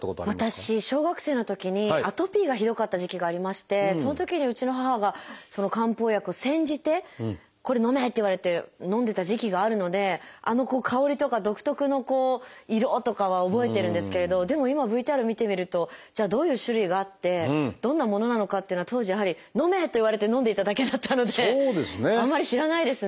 私小学生のときにアトピーがひどかった時期がありましてそのときにうちの母が漢方薬を煎じてこれのめって言われてのんでた時期があるのであの香りとか独特の色とかは覚えてるんですけれどでも今ＶＴＲ見てみるとじゃあどういう種類があってどんなものなのかっていうのは当時やはりのめって言われてのんでいただけだったのであんまり知らないですね。